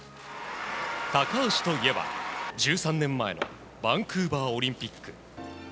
高橋といえば１３年前バンクーバーオリンピック。